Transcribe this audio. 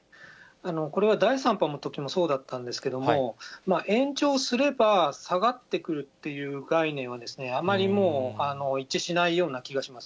これは第３波のときもそうだったんですけども、延長すれば下がってくるという概念はあまりもう、一致しないような気がします。